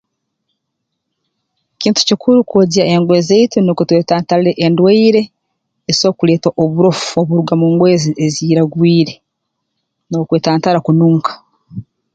Kintu kikuru kwogya engoye zaitu nukwo twetantale endwaire eziso kuleetwa oburofu oburuga mu ngoye ezi eziiragwire n'okwetantara kununka